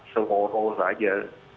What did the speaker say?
seorang orang saja